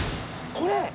これ！？